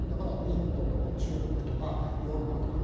インドとか中国とかヨーロッパとか。